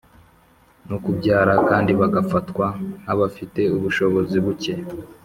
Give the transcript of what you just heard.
no kubyara, kandi bagafatwa nk’abafite ubushobozi buke